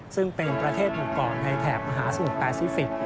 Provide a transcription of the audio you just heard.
ซึ่งเป็นประเทศองค์กรในแถบมหาสมุทรแปซิฟิกส